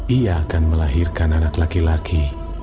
ia akan melahirkan anak laki laki